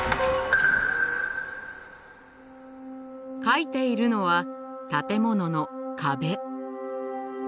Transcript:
描いているのは建物の壁。